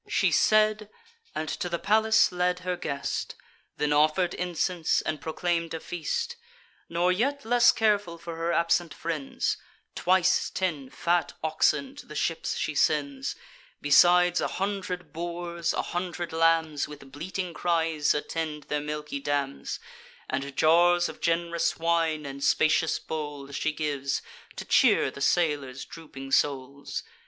She said, and to the palace led her guest; Then offer'd incense, and proclaim'd a feast. Nor yet less careful for her absent friends, Twice ten fat oxen to the ships she sends; Besides a hundred boars, a hundred lambs, With bleating cries, attend their milky dams; And jars of gen'rous wine and spacious bowls She gives, to cheer the sailors' drooping souls.